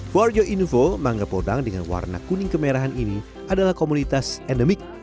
warjo info mangga podang dengan warna kuning kemerahan ini adalah komunitas endemik